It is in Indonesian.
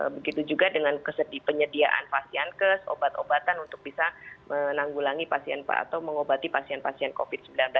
begitu juga dengan penyediaan pasienkes obat obatan untuk bisa menanggulangi pasien atau mengobati pasien pasien covid sembilan belas